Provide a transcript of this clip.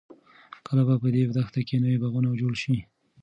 کله به په دې دښته کې نوې باغونه جوړ شي؟